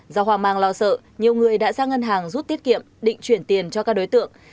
do hoàng mang lo sợ nhiều người đã sang ngân hàng rút tiết kiệm định chuyển tiền cho các đối tượng